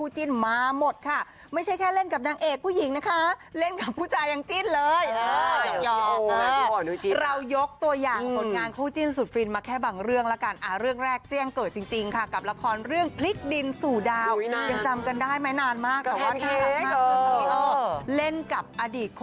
จริงเดี๋ยวจะหาว่าอวยเกินคุณผู้ชมเอาจริงดูลิสต์นางเอกที่เคยร่วมงานกับพี่เวียก่อนดีกว่า